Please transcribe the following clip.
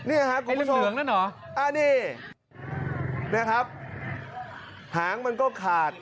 อ๋อไอ้เหลืองนั่นเหรอนี่ครับหางมันก็ขาด